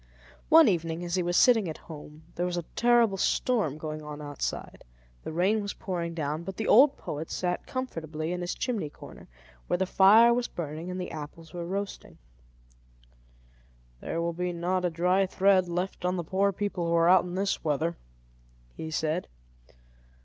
One evening, as he was sitting at home, there was a terrible storm going on outside; the rain was pouring down, but the old poet sat comfortably in his chimney corner, where the fire was burning and the apples were roasting. "There will not be a dry thread left on the poor people who are out in this weather," he said.